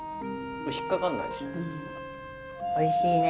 引っ掛かんないですよね。